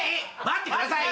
待ってください！